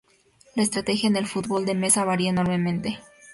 La estrategia en el fútbol de mesa varía enormemente.